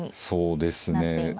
そうですね。